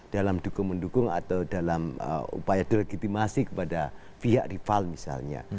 dalam dukung mendukung atau dalam upaya delegitimasi kepada pihak rival misalnya